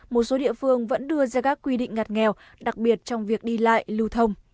một số địa phương vẫn đưa ra các quy định ngặt nghèo đặc biệt trong việc đi lại lưu thông